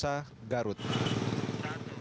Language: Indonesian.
sebelum mencapai kota tujuan